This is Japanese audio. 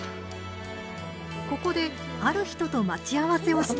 ここである人と待ち合わせをしていました。